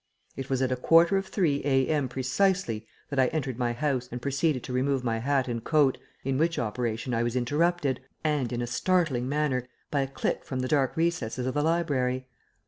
It was at a quarter of three A.M. precisely that I entered my house and proceeded to remove my hat and coat, in which operation I was interrupted, and in a startling manner, by a click from the dark recesses of the library.